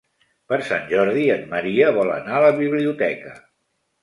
Per Sant Jordi en Maria vol anar a la biblioteca.